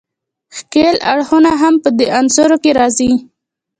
ښکیل اړخونه هم په دې عناصرو کې راځي.